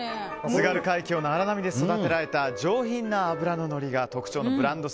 津軽海峡の荒波で育てられた上品な脂の乗りが特徴のブランド